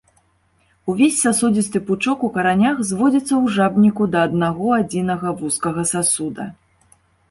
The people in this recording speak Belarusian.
Увесь сасудзісты пучок у каранях зводзіцца ў жабніку да аднаго-адзінага вузкага сасуда.